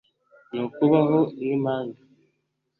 ni ukubaho nk'impanga.